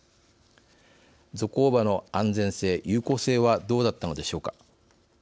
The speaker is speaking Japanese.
ゾコーバの安全性、有効性はどうだったのでしょうか。